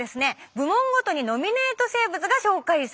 部門ごとにノミネート生物が紹介されます。